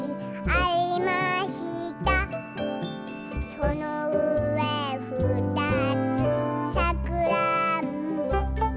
「そのうえふたつさくらんぼ」